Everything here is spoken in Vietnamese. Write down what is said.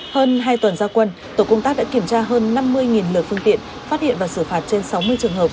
hơn hai tuần gia quân tổ công tác đã kiểm tra hơn năm mươi lượt phương tiện phát hiện và xử phạt trên sáu mươi trường hợp